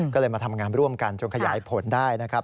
ก็เลยมาทำงานร่วมกันจนขยายผลได้นะครับ